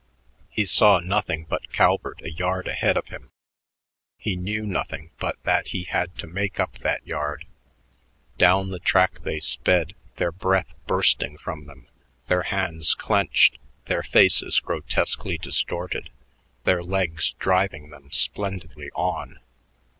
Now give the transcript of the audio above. He saw nothing but Calvert a yard ahead of him. He knew nothing but that he had to make up that yard. Down the track they sped, their breath bursting from them, their hands clenched, their faces grotesquely distorted, their legs driving them splendidly on.